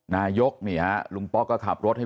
นายก์ลุงป๊อกก็ขับรถให้